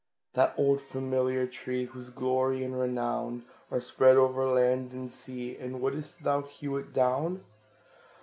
That old familiar tree, Whose glory and renown Are spread o'er land and sea And wouldst thou hew it down?